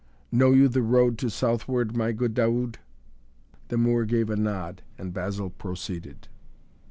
"Know you the road to southward, my good Daoud?" The Moor gave a nod and Basil proceeded.